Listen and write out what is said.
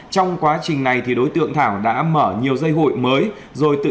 trong quá trình này đối tượng thảo đã mở nhiều dây hội mới